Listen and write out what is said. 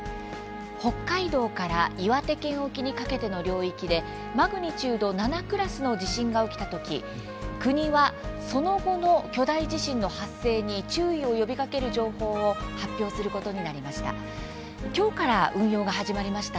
北海道から岩手県沖にかけての領域でマグニチュード７クラスの地震が起きた時、国はその後の巨大地震の発生に注意を呼びかける情報を発表することになりました。